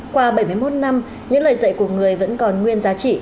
qua bảy mươi một năm những lời dạy của người vẫn còn nguyên giá trị